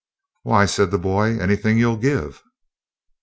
"Why," said the boy, "anything you'll give."